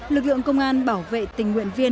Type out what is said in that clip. lực lượng công an bảo vệ tình nguyện viên